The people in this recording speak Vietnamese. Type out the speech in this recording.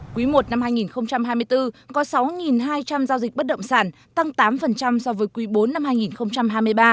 quý i năm hai nghìn hai mươi bốn có sáu hai trăm linh giao dịch bất động sản tăng tám so với quý bốn năm hai nghìn hai mươi ba